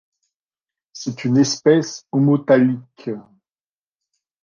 C'est une espèce homothallique.